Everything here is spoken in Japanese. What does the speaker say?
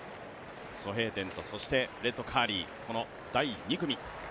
ソ・ヘイテンとフレッド・カーリー、この第２組。